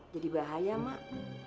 jadi bahaya mak